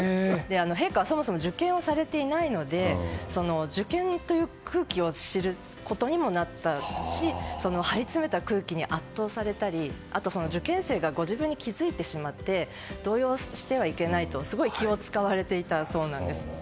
陛下はそもそも受験をされていないので受験という空気を知ることにもなったし張り詰めた空気に圧倒されたりあと、受験生がご自分に気づいてしまって動揺してはいけないとすごく気を使われていたそうです。